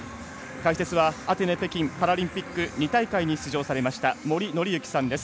解説はアテネ北京パラリンピック２大会に出場されました森紀之さんです。